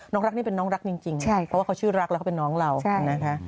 รักนี่เป็นน้องรักจริงเพราะว่าเขาชื่อรักแล้วเขาเป็นน้องเรานะคะ